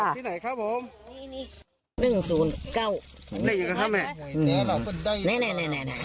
ที่ไหนครับผม